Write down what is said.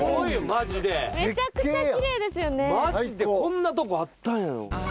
マジでこんなとこあったんや。